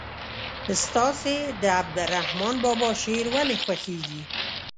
ستاسې د عبدالرحمان بابا شعر ولې خوښیږي.